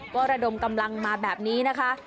ก็ระดมกำลังมาแบบนี้นะคะ